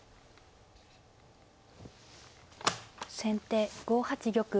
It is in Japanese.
先手５八玉。